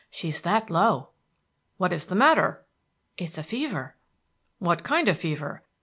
"She's that low." "What is the matter?" "It's a fever." "What kind of fever?"